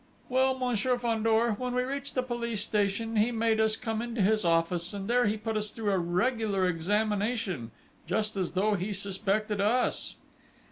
"Well, Monsieur Fandor, when we reached the police station, he made us come into his office, and there he put us through a regular examination,... just as though he suspected us!"